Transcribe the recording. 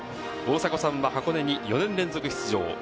大迫さんは箱根に４年連続出場。